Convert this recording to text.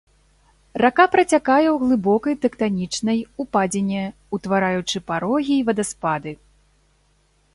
Рака працякае ў глыбокай тэктанічнай упадзіне, утвараючы парогі і вадаспады.